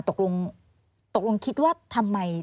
ตกลงคิดว่าทำไม